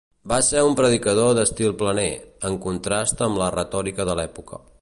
Va ser un predicador d'estil planer, en contrast amb la retòrica de l'època.